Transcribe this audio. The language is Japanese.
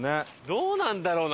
どうなんだろうな。